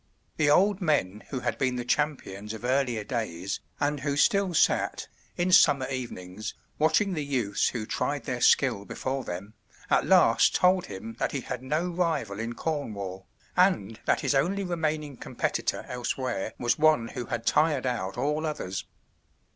The old men who had been the champions of earlier days, and who still sat, in summer evenings, watching the youths who tried their skill before them, at last told him that he had no rival in Cornwall, and that his only remaining competitor elsewhere was one who had tired out all others.